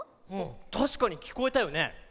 たしかにきこえたよね。